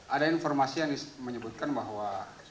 ada informasi yang menyebutkan bahwa